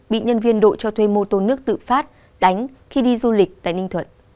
bị nhân viên đội cho thuê mô tô nước tự phát đánh khi đi du lịch tại ninh thuận